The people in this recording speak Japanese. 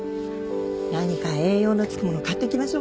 何か栄養のつくもの買ってきましょうか？